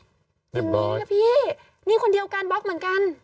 อย่างนี้นะพี่นี่คนเดียวกันบล็อกเหมือนกัน